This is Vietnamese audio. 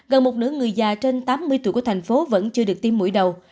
gần một nửa người già trên tám mươi tuổi của thành phố vẫn chưa được tiêm mũi đầu